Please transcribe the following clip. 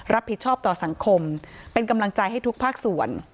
รับผิดชอบต่อสังคมเป็นกำลังใจให้ทุกภาคส่วน